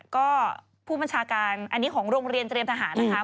ก็ผู้บัญชาการอันนี้ของโรงเรียนเตรียมทหารนะคะ